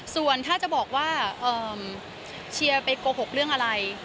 ส่วนถ้าจะบอกว่าเชียร์ไปโกหกเรื่องอะไร